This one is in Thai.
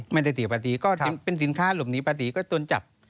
ไม่ได้เสียภาษีก็เป็นสินค้าหลบหนีภาษีก็ต้นจับ